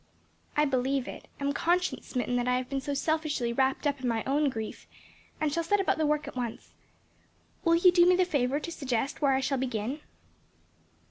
"I believe it, am conscience smitten that I have been so selfishly wrapped up in my own grief, and shall set about the work at once. Will you do me the favor to suggest where I shall begin?"